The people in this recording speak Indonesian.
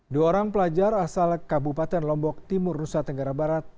dua orang pelajar asal kabupaten lombok timur nusa tenggara barat